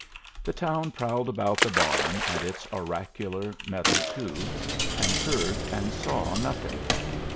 The town prowled about the barn and its oracular metal tube, and heard and saw nothing.